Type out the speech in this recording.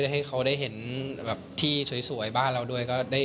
ให้เขาได้เห็นที่สวยบ้านเราด้วย